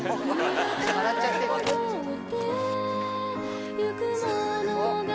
笑っちゃってる。何？